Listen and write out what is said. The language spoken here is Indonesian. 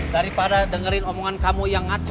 daripada dengerin omongan kamu yang ngaco